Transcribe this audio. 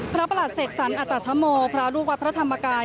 ประหลัดเสกสรรอัตธโมพระลูกวัดพระธรรมกาย